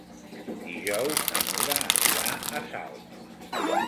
Dijous na Nura anirà a Salt.